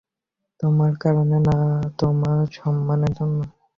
তোমার কারণে না তোমার সম্মানের জন্য।